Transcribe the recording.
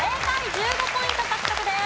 １５ポイント獲得です。